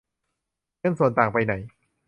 เงินส่วนต่างไปไหน